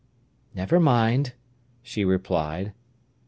"Never mind," she replied.